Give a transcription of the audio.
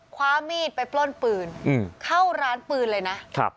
คว้ามีดไปปล้นปืนเข้าร้านปืนเลยนะ